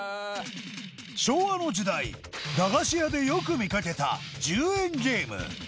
昭和の時代駄菓子屋でよく見かけた１０円ゲーム